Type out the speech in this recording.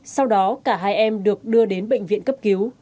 sau đó cả hai em được đưa đến bệnh viện cấp cứu